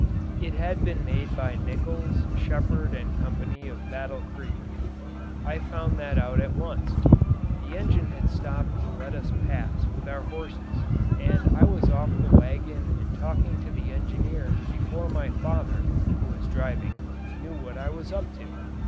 It had been made by Nichols, Shepard & Company of Battle Creek. I found that out at once. The engine had stopped to let us pass with our horses and I was off the wagon and talking to the engineer before my father, who was driving, knew what I was up to.